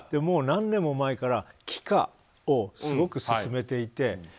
何年も前から帰化をすごく進めていて。